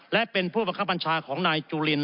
และเป็นผู้บังคับบัญชาของนายจุลิน